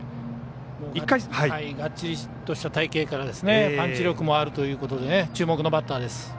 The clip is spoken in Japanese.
がっちりとした体形からパンチ力もあるということで注目のバッターです。